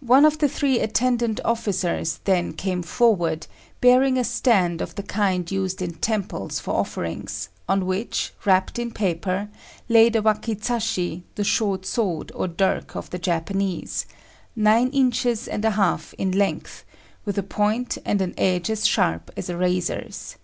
One of the three attendant officers then came forward, bearing a stand of the kind used in temples for offerings, on which, wrapped in paper, lay the wakizashi, the short sword or dirk of the Japanese, nine inches and a half in length, with a point and an edge as sharp as a razor's.